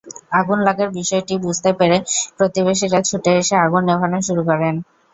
আগুন লাগার বিষয়টি বুঝতে পেরে প্রতিবেশীরা ছুটে এসে আগুন নেভানো শুরু করেন।